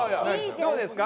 どうですか？